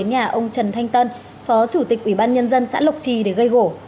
nhà ông trần thanh tân phó chủ tịch ủy ban nhân dân xã lộc trì để gây gỗ